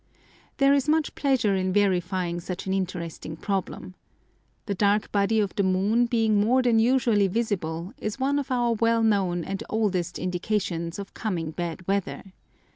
There is much pleasure in verifying such an interesting problem. The dark body of the moon being more than usually visible is one of our well known and oldest indications of coming bad weather.